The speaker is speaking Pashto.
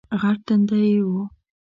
غټ تندی یې وو